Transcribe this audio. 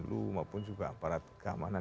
lu maupun juga aparat keamanan